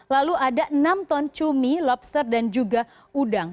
lalu ada enam ton cumi lobster dan juga udang